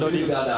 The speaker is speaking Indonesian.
dodi juga ada